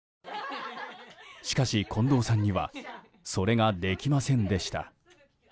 しかし、近藤さんにはそれができませんでした。